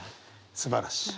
すばらしい。